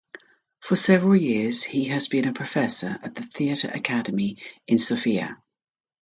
For several years he has been a professor at the Theatre Academy in Sofia.